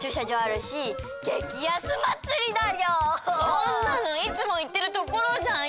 そんなのいつもいってるところじゃん！